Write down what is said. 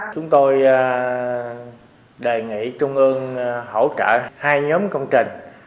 chúng tôi đề nghị trung ương hỗ trợ hai nhóm công trình